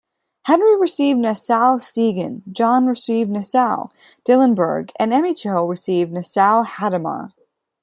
Henry received Nassau-Siegen, John received Nassau-Dillenburg and Emicho I received Nassau-Hadamar.